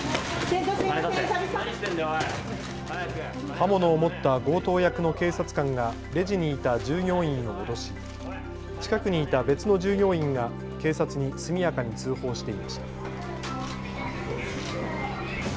刃物を持った強盗役の警察官がレジにいた従業員を脅し近くにいた別の従業員が警察に速やかに通報していました。